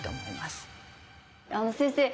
先生